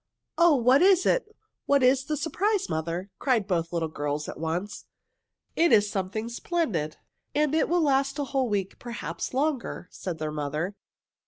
"Oh, what is it? What is the surprise, mother?" cried both little girls at once. "It is something splendid, and it will last a whole week, perhaps longer," said their mother.